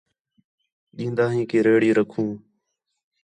ݙین٘دا ہیں کہ ریڑھی رکھو